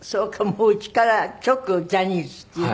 もううちから直ジャニーズっていう？